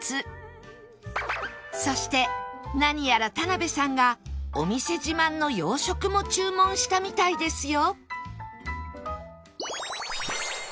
そして何やら田辺さんがお店自慢の洋食も注文したみたいですよ